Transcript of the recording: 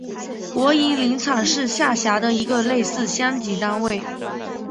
国营林场是下辖的一个类似乡级单位。